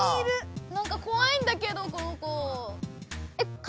なんかこわいんだけどこの子。